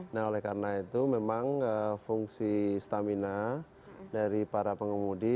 nah oleh karena itu memang fungsi stamina dari para pengemudi